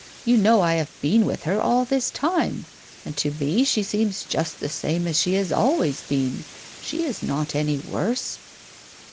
You know I have been with her all this time, and to me she seems just the same as she has always been ; she is not any worse."